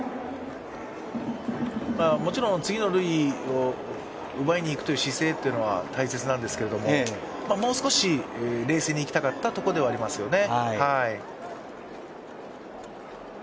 もちろん次の塁を奪いにいく姿勢というのは大切なんですけど、もう少し冷静にいきたかったところではありますよね。